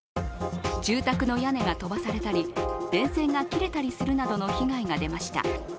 住宅の屋根が飛ばされたり、電線が切れたりするなどの被害が出ました。